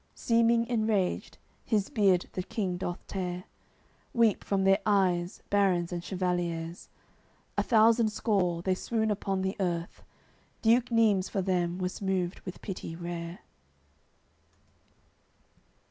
Seeming enraged, his beard the King doth tear. Weep from their eyes barons and chevaliers, A thousand score, they swoon upon the earth; Duke Neimes for them was moved with pity rare.